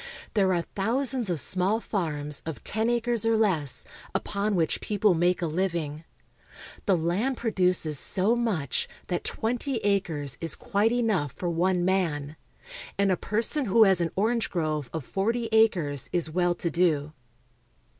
There are thousands of small farms, of ten acres or less, upon which people make a living. The land produces so much that twenty acres is A Vineyard in California. BIG FARMS. 269 quite enough for one man, and a person who has an orange grove of forty acres is well to do.